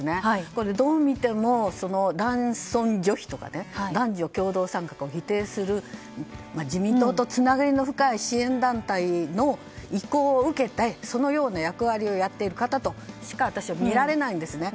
これはどう見ても男尊女卑とか男女共同参画を否定する自民党とつながりの深い支援団体の意向を受けて、そのような役割をやっている方としか私は見られないんですね。